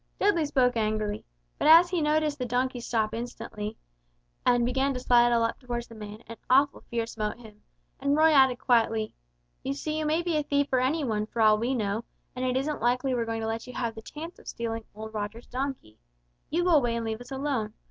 Dudley spoke angrily, but as he noticed the donkey stop instantly, and begin to sidle up toward the man an awful fear smote him, and Roy added quietly, "You see you may be a thief or any one, for all we know, and it isn't likely we're going to let you have the chance of stealing old Roger's donkey. You go away and leave us alone.